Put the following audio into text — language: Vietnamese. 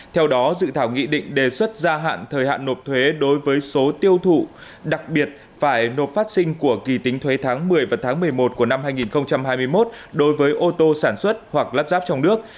theo đó dự thảo nghị định đề xuất gia hạn thời hạn nộp thuế đối với số tiêu thụ đặc biệt phải nộp phát sinh của kỳ tính thuế tháng một mươi và tháng một mươi một của năm hai nghìn hai mươi một đối với ô tô sản xuất hoặc lắp ráp trong nước